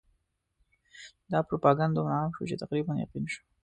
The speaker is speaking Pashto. دا پروپاګند دومره عام شو چې تقریباً یقین شو.